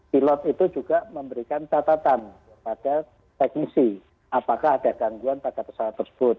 pilot itu juga memberikan catatan pada teknisi apakah ada gangguan pada pesawat tersebut